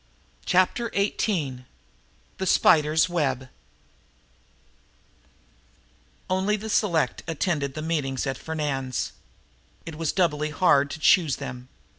Chapter Eighteen The Spider's Web Only the select attended the meetings at Fernand's. It was doubly hard to choose them.